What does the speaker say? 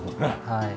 はい。